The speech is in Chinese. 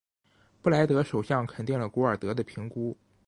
布莱尔首相肯定了古尔德的评估。